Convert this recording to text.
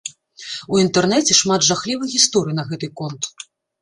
У інтэрнэце шмат жахлівых гісторый на гэты конт.